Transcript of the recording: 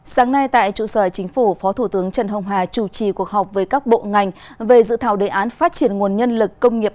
sáng nay tại trụ sở chính phủ phó thủ tướng trần hồng hà chủ trì cuộc họp với các bộ ngành về dự thảo đề án phát triển nguồn nhân lực công nghiệp